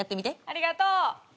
ありがとう。